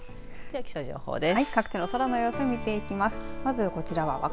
では気象情報です。